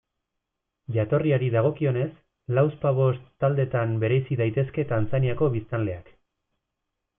Jatorriari dagokionez, lauzpabost taldetan bereizi daitezke Tanzaniako biztanleak.